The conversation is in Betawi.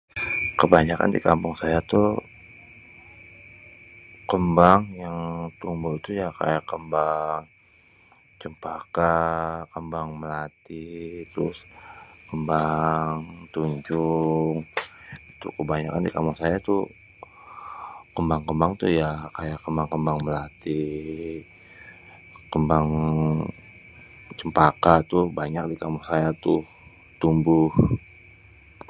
Kebanyakan di kampung saya tuh kémbang yang tumbuh itu kaya kémbang cempaka, kémbang melati, trus kémbang tunjung. Itu kebanyakan di kampung saya tuh kémbang-kémbang tuh ya, kémbang-kémbang melati, kémbang cêmpaka tuh banyak tuh di kampung saya tuh yang tumbuh.